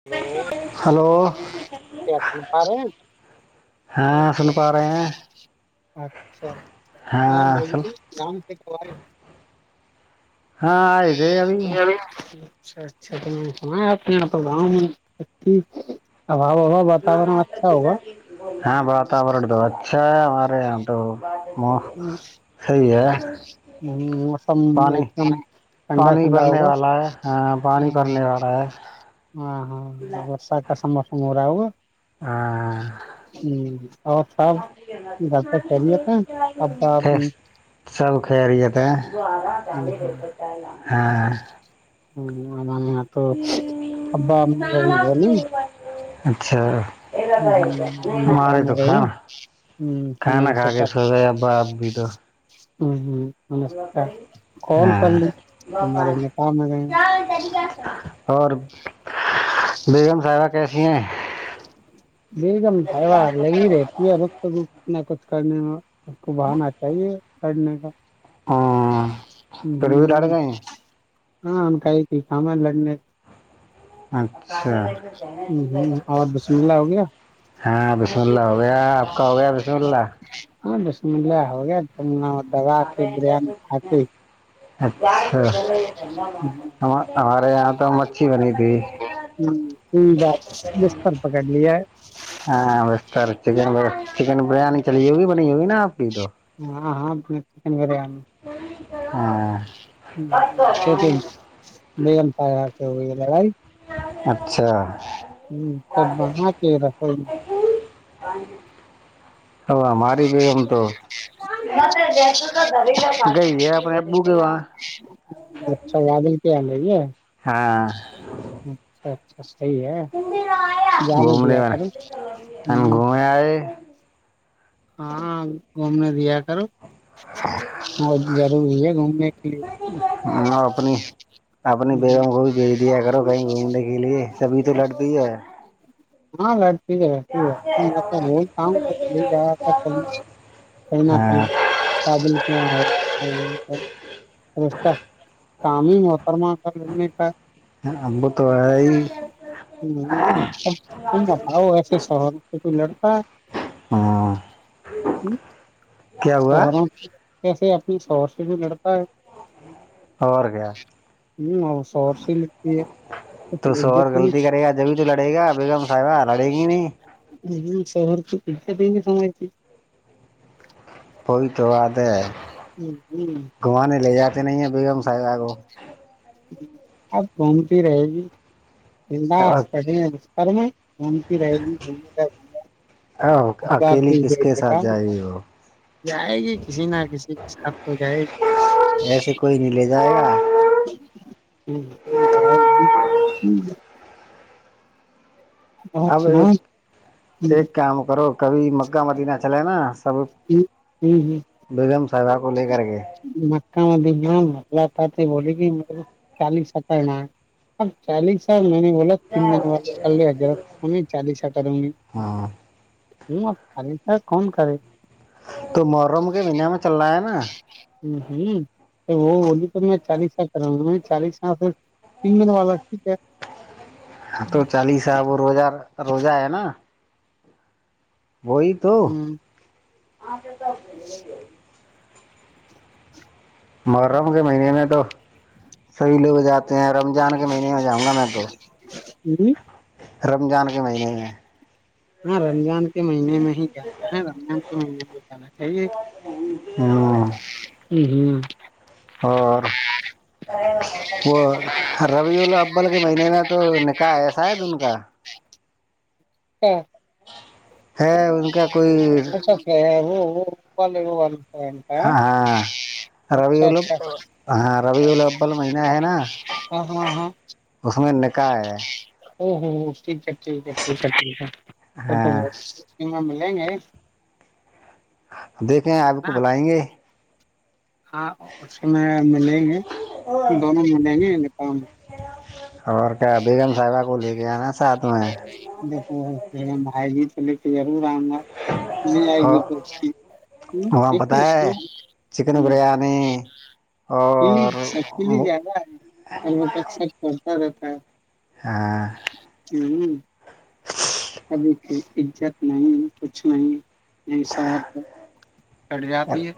Hello hello کیاسن پے [unintelligible] ہاں سن پا رہے ہیں اچھاچ اور ہاں ب سن نام سے کب [unintelligible] ہاں آئدے ا اچھا اچھا تو میں نے سنا ہے آپ کے یہاں پر گاؤں ہوا ہوا واتاورن اچھا ہوگا ہاں باتور دو اچھا [unintelligible] ہمارے آ تو ہ مو- صحیح ہے ہ موسم پانی ایک دم ٹھنڈا پانی ٹھنڈا بھرنے ہوگا والا ہے ہاں پانی بھرنے والا ہے ہاں ہاں برس کا سمم [unintelligible] ہ رؤ [unintelligible] ہوں ہاں [inaudible] آف [unintelligible] سب لطہ خہلیت ہیں [unintelligible] امی؟ فیک سب خ رہیے ت [unintelligible] ہاں [unintelligible] ہ [inaudible] یہاں تو ابا امی اب بھی ہے نہیں [unintelligible] اچھا نکاح ہمارے تو میں گئے کاانا ہیں تو میں کھانانا نے کھ کے سوچا سو گ ابا آپ بھی تو [unintelligible] ہوں ہوں [unintelligible] ہمارے بپال نے کام میں گئے چتالییک [unintelligible] اور [unintelligible] بیگم صاحبہ [unintelligible] کیسی ہی [unintelligible] بی دم بھائیا لگی رہےتی رت گ [unintelligible] کرنے میں [unintelligible] اس کو بہانا چاہیے [unintelligible] پڑھنے کا [unintelligible] ہاں پھر ا لڑ ہ گیں [unintelligible] ہاں ہم کائی ت کام لگنے [unintelligible] اچھا ہ اور بسم اللہ ہو گیا ہاں بسم اللہ ہو گیا آپ کا ہو گیا بسم اللہ [unintelligible] ہاں بیس منٹ لے آ ہو گی [unintelligible] [inaudible] دگا کے بریان تھاے [unintelligible] اچھا [unintelligible] ہم [unintelligible] ہمارے یہاں تو [unintelligible] تھی ہ بستر پکڑ لی ہے [unintelligible] ہاں برچک ب [unintelligible] چکن بریانی چلی ہوگی بنی ہوگی ناپ [unintelligible] کٹیی [unintelligible] ہاں ہاں چن بریانی [unintelligible] ہاں [unintelligible] ہاں [unintelligible] بی ایم فائر سے ہوئی ہے لڑائی اچھا ہوں خودم آ کےیرا خود ہ [unintelligible] ا ہماری بھی ہمم تو گئی ہے اپنے ا بو کہ [unintelligible] اچھا ودل کیا ہے [unintelligible] صحی ہے [unintelligible] ہاں [unintelligible] ت [unintelligible] جان دیا کروں ہ تے [unintelligible] ہاں گھومنے دیا [unintelligible] ر بہت ضروری ہے گھومنے کے لیے [unintelligible] اپنی اپنی بیگوں کو بھی بھیج دیا کرو کہیں گھومنے کے لیے سبھی تو لگتی ہے ہاں گ [unintelligible] ٹھیک ہےٹیک ہے میں تو بولتا ہوں ب لے جایا تھا کبھی کہیں نہ کہیں ہاں بادل کیا ہوا اس کا کام ہی موتر م مٹا ہ ابو تو ہے ہی کا باو ایس [unintelligible] تور سے کوئی لڑتا ہے [unintelligible] ہاں کیا ہوا توو نا [unintelligible] ایسے اپنی سورس بھی لڑتا ہے اور کیا ہ اور شہر سے لگتی تو شوہر ہےت غلطی کرے گا جبھی تو لڑے گا بیگم صاحبہ لڑے گی نہیں شوہر کیت [unintelligible] سمے ت [unintelligible] وہئی تو بات ہے گھمانے لے جاتے نہیں ہیں بیگم سائے آگو [unintelligible] اب گھومتی رہے گی [unintelligible] جا کو پڑ کررم [unintelligible] گومتی رہے گی گومنے گ گنے [unintelligible] ا آپ اکیلی بھی کس دیک کے دیتا ساتھ جائے گی وہ جائے گی کسی نہ کسی کے ساتھ تو جائے ایسے کوئی نہیں لے جائے گا گی ہ اب ایک ایک کام کرو کبھی مکہ مدینہ چلے نا سق بیم مک م ج لھپ لتا بوولے کہ میرے کو چالیس ہ کرنا ہے اب چالیسال میں نے ب تین دن وال چ گارہ چالیسٹ دمی ہاں ہ چالیس کون کرے تو مرم کے ونا میں چلنا ہے نا ہ ہ وہ بولی تو میں چالیس سال کرا گا چالیس سال سے تین م والا ٹھیک ہے ہاں تو چالیسا اب وہ روزا روزہ ہے نا وہئی تو ہے ہاں ج سب دل ہو ہوی [unintelligible] مر رہا ہوں گ مہینے میں تو سبھی لوگ جاتے ہیں رمضان کے مہینے میں جاؤں گا میں تو ہوں رمضان کے مہینے میں ہاں رمضان کے مہینے میں ہی جانا ہے رمضان کے مہینے میں جنا چاہیے ہے ہوں ہ ہوں اور وہ رویلا اببل کے مہینے میں تو نکاح ایسا ہے ان کا ہاں ہ ان کا کوئی اچھا وہ وہ والے وہ وال ہاں ہاں اچھا رویلا اچھا ہاں رویلا ابل مہینہ ہے نا ہاں ہاں ہاں اس میں ن کاائے او ہو ٹیک ہے ٹھیک ہے ٹھیک ہے ٹھیک ہے ہاں تو دیں گے ہاں دیکھیں آپ کو نا بلائیں گے ہاں اس میں ملیں گے دونوں ملیں گے نپؤں میں [unintelligible] اور کیا بیگم صاحبہ کو لے کے آنا ہے ساتھ میں جپم بھائی جت [unintelligible] س [unintelligible] آ گ نہیں آئے گی اور تو س وہاں پتہ ہے چکن بریانی اور جیاا [unintelligible] اھ ہ ہاں [unintelligible] دیک عزت نہیں کچھ نہیں [unintelligible] ج س کٹ جات ہے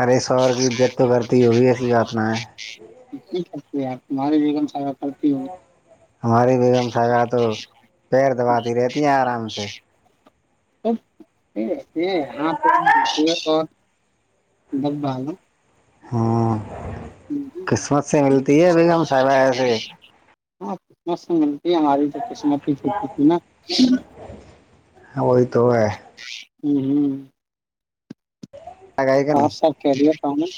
ارے سور کی عزت تو بورتی وہی ایسی آاتنا ہے [unintelligible] ج سکتی آپ تمہارے بیگم سا [unintelligible] ال [unintelligible] ہماری بیگم صاحبہ تو پیر دباتی رہتی ہیں آرام سے ا [inaudible] یہ ہ پ پ [unintelligible] بت بال ہاں قسمت سے ملتی ہے بیگ ہم صاحبہ ایسے ہاں قسمش سے ملتی ہے ہماری تو [unintelligible] چھوٹی تھی نا وہی تو ہے [unintelligible] ہ ہوں [unintelligible] گئے کہ نہیں ہاں سر کیریر [unintelligible] ان [unintelligible]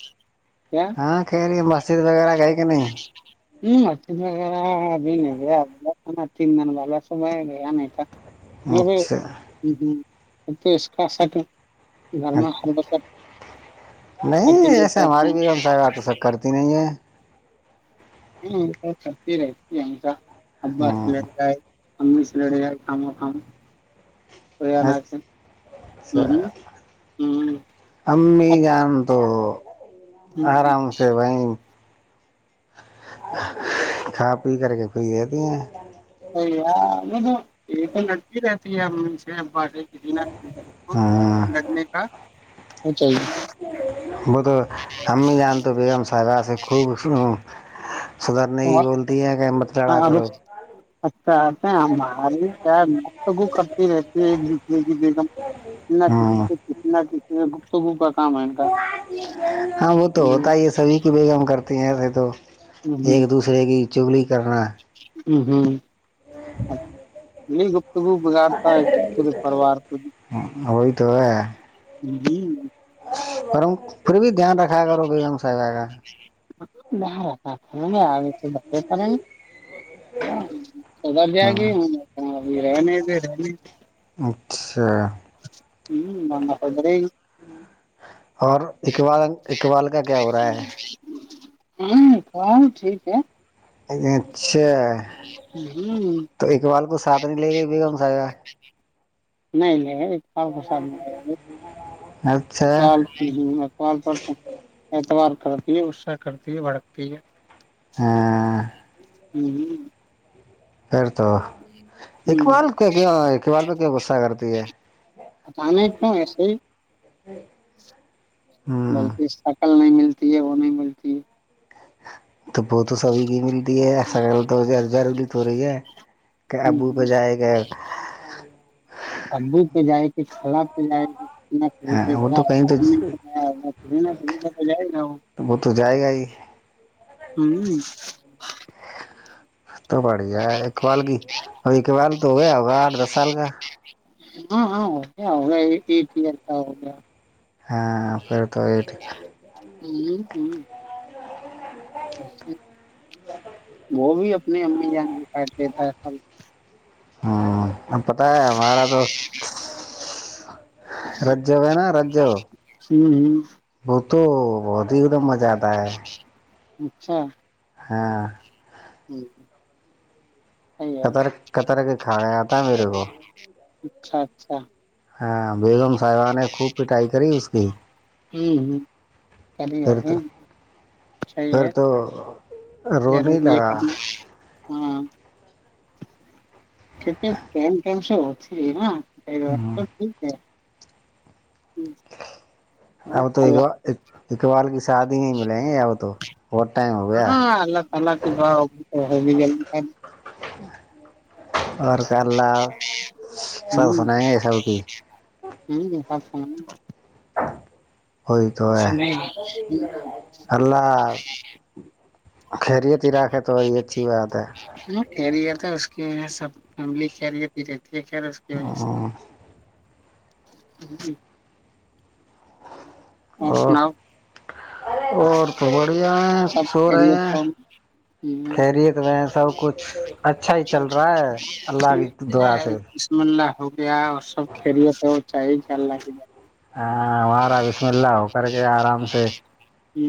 ہاں کریی مسجد وغیرہ گئی ا نہیں [unintelligible] ہ مچ [unintelligible] ہاںاںب ن [unintelligible] ہ ن تین جن با س ب گ نہیں تھا ہ ہ ہ ہوں اچھا [unintelligible] اب تو اس کا سکل [unintelligible] گھر میں سر بسر [unintelligible] نہیں ایسے ہماری بھی ہم سا تو سب کرتی نہیں ہے ہ سب ستی رہتی ہشہ اباس ل ہوں ج ہے امی سے لڑے آئے کاما کام اچ اچھا یہ امی گان تو آرام سے وہائی کھا پی کر کے کوئی دے د ہے نہیں یہ تو نٹتی رہتی ہے ہم سےب ب ک کسی کو ہاں لڑنے کا وہ چاہیے وہ تو ہممی جان تو بیگم ساس خوب صدر نے یہی بولتی ہے کہ مت لڑا کرو اچھا ہمارے مگو کرتی رہتی ایک دوسرے کیمتنا کسی ہاں کتنا یہ ب سبو پ ہاں وہ تو ہ ہوتا ہی ہے سبھی کی بیگم کرتے ہیں ایسے تو ایک دوسرے کی جلی ہوں ہوں نہیں گپ صبو بگاڑتا ہے پے پوار کو بھی تو جی اورم پھر بھی دھیان رکھا کرو بیگم صاحبہ کا ب پے ن ہاں ادھر جائے گی ہاں ابھی رہنے تھ رہنے ا [inaudible] ہوں بم پد رہے اور اقبال اقبال کا کیا ہو رہا ہے ہ ہ ٹھیک ہے اچھا تو اکبال کو ساتھ نہیں لے گئی بیگم صاحب نہیںائ نہیں اچھا ادیال پر اتوار کرتی ہے غصہ کرتی ہے بھڑکتی ہے ہاں [unintelligible] ہوں ہ [inaudible] پھر تو اقبال کیا کیا اقبال پہ کیا غصہ کرتی ہے پتا نہیں کیوں ایسے ہی ہوں بولتی سکال نہیں ملتی ملتی ہے وہ نہیں ملتی ہے تو ب تو سبھی گی م د ایک سکل تو ج ج توور ہے کہ ہے ابو پ جائے گ ابو پہ جائے گ کھلا پہ جائے گی نہ کہیں ہاں پہ وہ گیا تو کہیں ہوگا تو امی پہ گیا ہوگا کہیں نہ کہیں پہ تو جائے گا وہ تو جائے گا ہی ہوں [unintelligible] تو بڑییا ایکوال کی اور ایک بال تو ہو گیا ہوگا آٹھ دس سال کا ہاں ہاں ہو گیا ہو گیا ایٹ ایئر کا ہو گیا ہاں آ پھر تو یہ ٹھیک ہ ہوں اچھا [inaudible] [inaudible] وہ بھی اپنی امی جان کاٹ لیتا ہے سب ہاں ا پتا ہے ہمارا تو رجج ہے نا رج ہ ب تود دم م زیادہ ہے اچھا ہاں ہوں ہ [inaudible] کطر کطرک کھا گیا تھا میرے کو اچھا اچھا ہاں بیگم صاحبہ نے خوب پٹائی کری اس کی کری پھر تو ہوگی صحیح پھر ہے تو رون ضرور یہ لگا کرنا ہاں کتی مم [unintelligible] ہو تھ نا ا ب س ٹھیک ہے آ اور تو یہگ اللہ ایک بار شادی نہیں ملیں گے یا وہ تو بہت ٹائم ہو گیا ہاں اللہ تلہاتا اور کرلہ سب ہوں سنائیں گے سب کی ہوں سپ س ہوئی تو ہے نہیں اللہ خیریت ہی رکھے تو یہ اچھی بات ہے ریتا اس کے سب فلی چار گ ٹھیک ہے نا اس کی وجہ سے ہوں [unintelligible] اور سناؤ اور تو بڑھیا ہے سب سو رہے ہیں خیریت خیریت میں سب کچھ اچھا ہی چل رہا ہے اللہ کی دعا ہے سے بسم اللہ ہو گیا اور سب کھیریے تو چاہیے خیال ل جائے ہاں وہارا بسم اللہ ہو کر کے آرام سے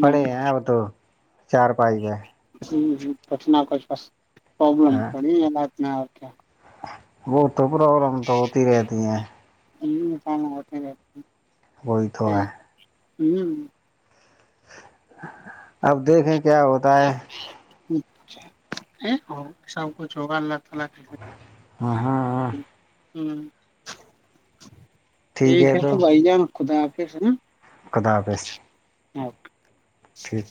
پڑے ہیں اب تو چار پانچ گئے ہ ہ کوچ نہ کوچ بس پرابلم ہاں پ ہاں اوکے وہ تو پروابلم تو ہوتی رہتی ہیں ال چان گت بو تھ ہے ہوں اپ دیکھیں کیا ہوتا ہے چ سب کچھ ہوگا اللہ تعالی کی ہاں ہاں ہاں ہوں ٹھیک ہے س بائی جان خدا حافظ ہے نا کدابس اوکے ٹھیک